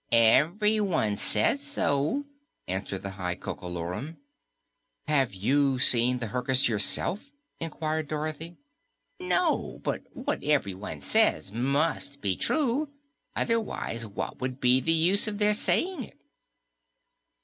"Everyone says so," answered the High Coco Lorum. "Have you seen the Herkus yourself?" inquired Dorothy. "No, but what everyone says must be true, otherwise what would be the use of their saying it?"